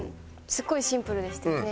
すごいシンプルでしたよね。